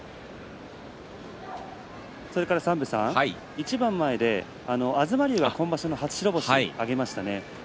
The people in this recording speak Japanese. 一番前で東龍が今場所の初白星を挙げましたね。